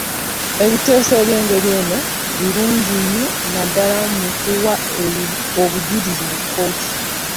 Ebiteeso eby'engeri eno birungi nnyo naddala mu kuwa obujulizi mu kkooti.